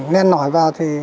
nên nổi vào